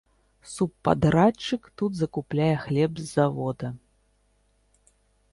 Субпадрадчык тут закупляе хлеб з завода.